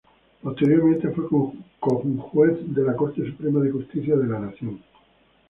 Posteriormente fue conjuez de la Corte Suprema de Justicia de la Nación.